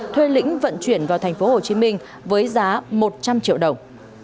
thuê lĩnh vận chuyển vào tp hcm với giá một trăm linh triệu đồng